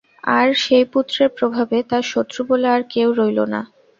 আর সেই পুত্রের প্রভাবে তাঁর শত্রু বলে আর কেউ রইল না।